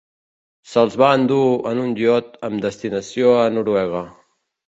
Se'ls va endur en un iot amb destinació a Noruega.